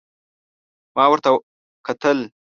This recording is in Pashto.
ما ورته کتل ،